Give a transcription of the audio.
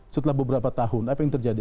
setelah beberapa tahun apa yang terjadi